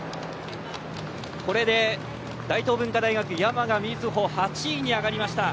これで大東文化大学山賀瑞穂、８位に上がりました。